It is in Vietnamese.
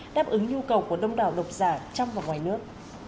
đáp ứng nhu cầu của đông đảo độc giả trong và ngoài nước